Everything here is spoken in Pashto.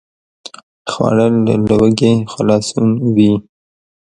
خوړل له لوږې خلاصون وي